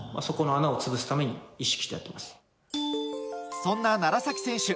そんな楢崎選手。